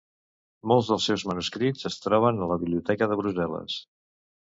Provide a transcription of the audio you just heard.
Molts dels seus manuscrits es troben en la Biblioteca de Brussel·les.